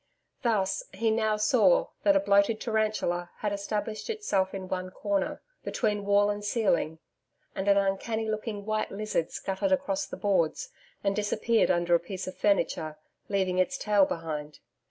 Thus, he saw now that a bloated tarantula had established itself in one corner, between wall and ceiling, and an uncanny looking white lizard scuttered across the boards, and disappeared under a piece of furniture, leaving its tail behind.